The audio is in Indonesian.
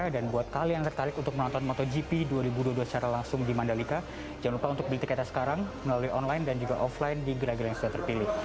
dan buat kalian yang tertarik untuk menonton motogp dua ribu dua puluh dua secara langsung di mandalika jangan lupa untuk beli tiketnya sekarang melalui online dan juga offline di gara gara yang sudah terpilih